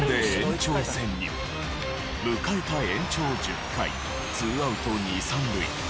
迎えた延長１０回２アウト二三塁。